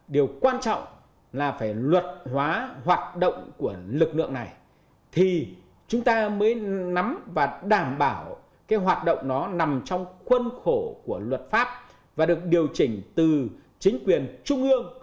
điều quan trọng là phải luật hóa hoạt động của lực lượng này thì chúng ta mới nắm và đảm bảo cái hoạt động nó nằm trong khuân khổ của luật pháp và được điều chỉnh từ chính quyền trung ương